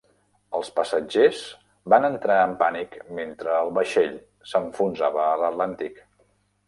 Els passatgers van entrar en pànic mentre el vaixell s'enfonsava a l'Atlàntic.